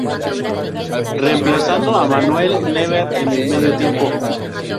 Reemplazando a Manuel Neuer en el medio tiempo.